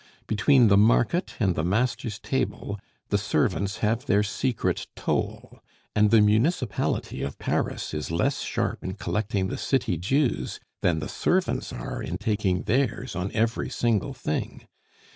Between the market and the master's table the servants have their secret toll, and the municipality of Paris is less sharp in collecting the city dues than the servants are in taking theirs on every single thing.